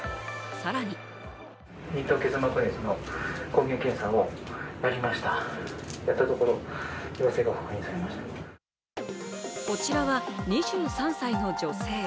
更にこちらは２３歳の女性。